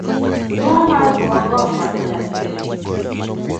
Tuo mar obuongo omako nyathini